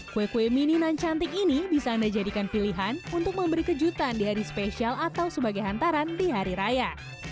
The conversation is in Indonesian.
kue kue mini nan cantik ini bisa anda jadikan pilihan untuk memberi kejutan di hari spesial atau sebagai hantaran di hari raya